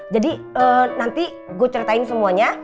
jadi nanti gue ceritain semuanya